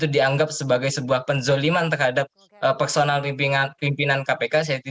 dianggap sebagai sebuah penzoliman terhadap personal pimpinan kpk